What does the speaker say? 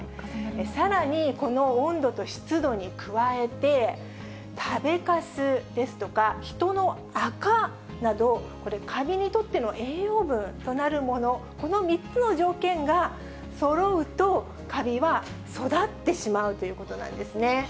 さらにこの温度と湿度に加えて、食べかすですとか、人のあかなど、かびにとっての栄養分となるもの、この３つの条件がそろうと、かびは育ってしまうということなんですね。